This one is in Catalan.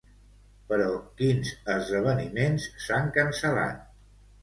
Però, quins esdeveniments s'han cancel·lat?